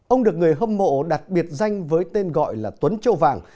ông được người hâm mộ đặc biệt danh với tên gọi là tuấn châu vàng